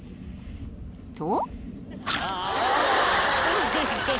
［と］